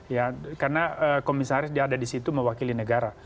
ya karena komisaris dia ada di situ mewakili negara